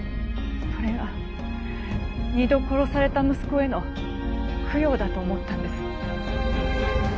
それが２度殺された息子への供養だと思ったんです。